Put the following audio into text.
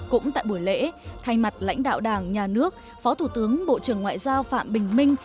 cũng tại buổi lễ thay mặt lãnh đạo đảng nhà nước phó thủ tướng bộ trưởng ngoại giao phạm bình minh